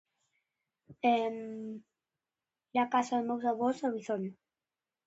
Na casa dos meus avós. [unintelligible]